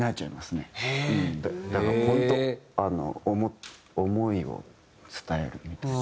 だから本当思いを伝えるみたいな。